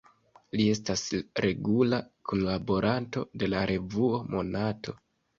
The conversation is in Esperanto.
Li estas regula kunlaboranto de la revuo Monato.